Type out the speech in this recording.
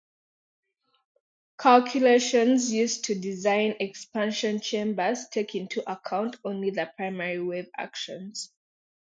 Calculations used to design expansion chambers take into account only the primary wave actions.